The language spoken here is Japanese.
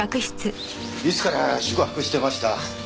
いつから宿泊してました？